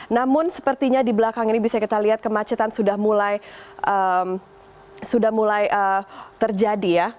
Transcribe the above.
namun sepertinya di belakang ini bisa kita lihat kemacetan sudah mulai terjadi ya